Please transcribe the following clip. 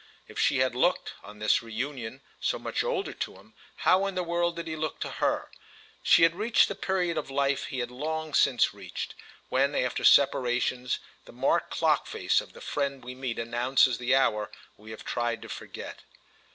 If she had looked, on this reunion, so much older to him, how in the world did he look to her? She had reached the period of life he had long since reached, when, after separations, the marked clock face of the friend we meet announces the hour we have tried to forget.